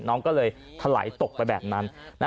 น้องก็เลยถลายตกไปแบบนั้น